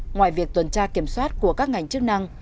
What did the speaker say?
ngoài việc tuần tra kiểm soát của các ngành chức năng